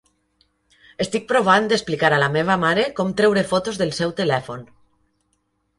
Estic provant d'explicar a la meva mare com treure fotos del seu telèfon.